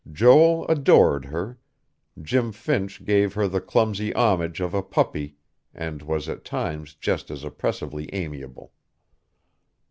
Joel adored her; Jim Finch gave her the clumsy homage of a puppy and was at times just as oppressively amiable.